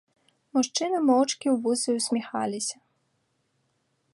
Мужчыны моўчкі ў вусы ўсміхаліся.